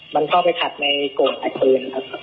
มันเข้าไปถัดในโกรธไอ้ปืน